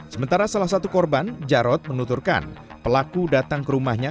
sementara salah satu korban jarod menuturkan pelaku datang ke rumahnya